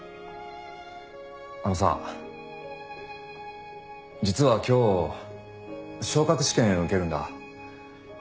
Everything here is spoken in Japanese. あのさ実は今日昇格試験受けるんだ。